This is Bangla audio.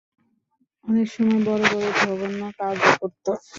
অনেক সময় বড় বড় জঘন্য কাজও করত।